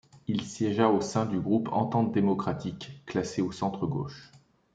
Il siégea au sein du groupe Entente démocratique, classé au centre gauche.